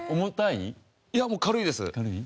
いやもう軽いです。